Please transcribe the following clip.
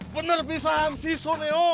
bener pisang si suneo